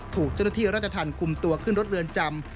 ถูกเจ้าหน้าที่ราชธรรมคุมตัวขึ้นรถเรือนจำ